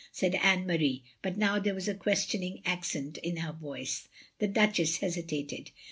said Anne Marie; but now there was a questioning accent in her voice. The Duchess hesitated.